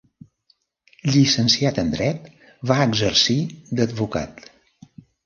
Llicenciat en Dret, va exercir d'advocat.